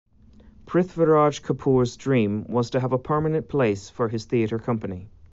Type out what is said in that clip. Prithviraj Kapoor's dream was to have a permanent place for his theatre company.